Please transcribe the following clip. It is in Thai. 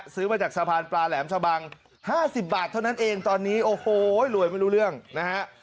ซื้อมาจากสะพานปลาแหลมชะบัง๕๐บาทเท่านั้นเองตอนนี้โอ้โหรวยไม่รู้เรื่องนะฮะ